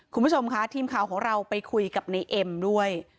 คุณผู้ชมค่ะทีมข่าวของเราไปคุยกับในเอ็มด้วย